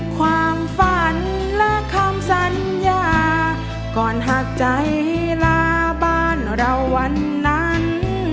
ความฝันและคำสัญญาก่อนหากใจลาบ้านเราวันนั้น